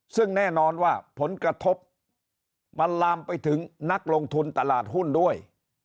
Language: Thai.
ซึ่งแน่นอนว่าผลกระทบมันลามไปถึงนักลงทุนตลาดหุ้นด้วย